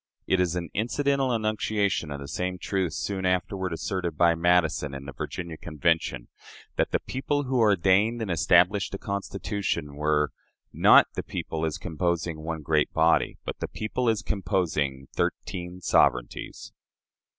It is an incidental enunciation of the same truth soon afterward asserted by Madison in the Virginia Convention that the people who ordained and established the Constitution were "not the people as composing one great body, but the people as composing thirteen sovereignties".